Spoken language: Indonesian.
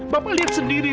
bapak lihat sendiri